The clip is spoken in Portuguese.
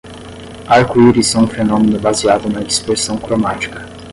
Arco-íris são um fenômeno baseado na dispersão cromática.